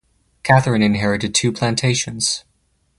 Catharine inherited two plantations.